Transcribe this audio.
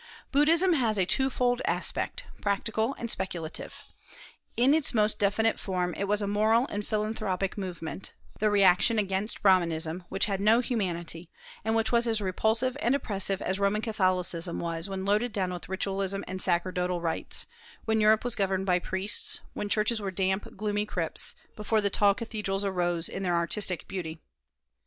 Buddhism has a twofold aspect, practical and speculative. In its most definite form it was a moral and philanthropic movement, the reaction against Brahmanism, which had no humanity, and which was as repulsive and oppressive as Roman Catholicism was when loaded down with ritualism and sacerdotal rites, when Europe was governed by priests, when churches were damp, gloomy crypts, before the tall cathedrals arose in their artistic beauty.